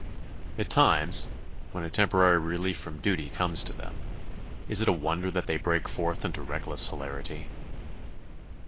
At times, when a temporary relief from duty comes to them, is it a wonder that they break forth into reckless hilarity?